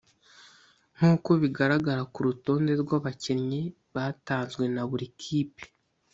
nkuko bigaragara ku rutonde rw’abakinnyi batanzwe na buri kipe